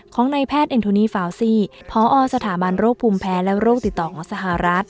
ในแพทย์เอ็นโทนี่ฟาวซี่พอสถาบันโรคภูมิแพ้และโรคติดต่อของสหรัฐ